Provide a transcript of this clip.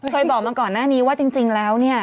เคยบอกมาก่อนหน้านี้ว่าจริงแล้วเนี่ย